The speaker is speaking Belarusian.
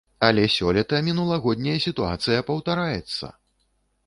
Але сёлета мінулагодняя сітуацыя паўтараецца!